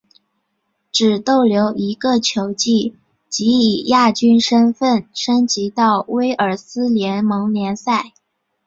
只逗留一个球季即以亚军身份升级到威尔斯联盟联赛。